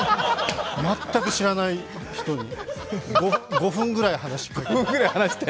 全く知らない人に５分ぐらい話しかけていて。